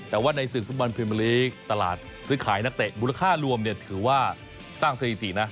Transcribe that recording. แต่ว่าในสืบสมบันพิมพ์อังกฤษตลาดซื้อขายนักเตะมูลค่ารวมถือว่าสร้างสถิตินะ